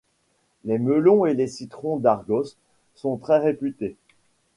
Les melons et les citrons d'Argos sont très réputés.